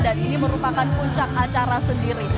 dan ini merupakan puncak acara sendiri